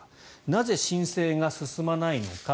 なぜ、申請が進まないのか。